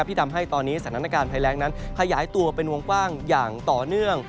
ที่ทำให้ตอนนี้สถานการณ์ภัยแรงนั้นขยายตัวเป็นวงกว้างอย่างต่อเนื่อง